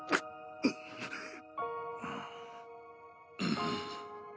うん。